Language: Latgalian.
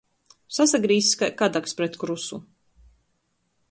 Sasagrīzs kai kadaks pret krusu.